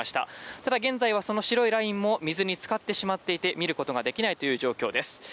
ただ現在はその白いラインも水につかってしまっていて見ることができないという状況です。